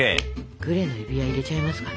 グレの指輪入れちゃいますかね。